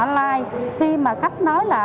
online khi mà khách nói là